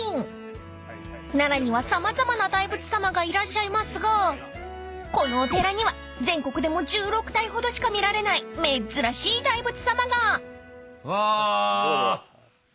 ［奈良には様々な大仏様がいらっしゃいますがこのお寺には全国でも１６体ほどしか見られない珍しい大仏様が］うわこれ。